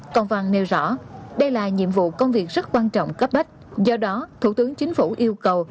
công văn nêu rõ đây là nhiệm vụ công việc rất quan trọng cấp bách do đó thủ tướng chính phủ yêu cầu